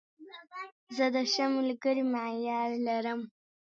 زه د ښه ملګري معیار لرم.